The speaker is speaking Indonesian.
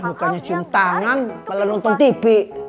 eh mukanya cium tangan malah nonton tv